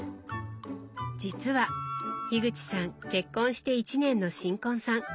実は口さん結婚して１年の新婚さん。